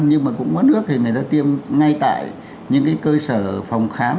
nhưng mà cũng mất nước thì người ta tiêm ngay tại những cái cơ sở phòng khám